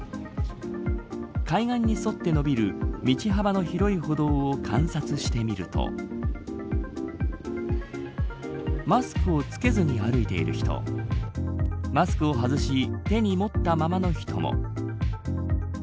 海岸に沿って伸びる道幅の広い歩道を観察してみるとマスクを着けずに歩いている人マスクを外し手に持ったままの人も。